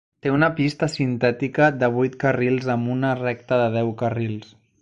Té una pista sintètica de vuit carrils amb una recta de deu carrils.